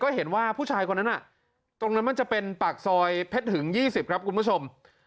เห็นว่าผู้ชายคนนั้นน่ะตรงนั้นมันจะเป็นปากซอยเพชรหึง๒๐ครับคุณผู้ชม